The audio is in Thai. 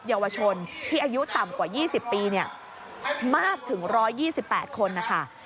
ยาวชนพี่อายุต่ำกว่ายี่สิบปีเนี่ยมากถึง๑๒๘คนนะคะ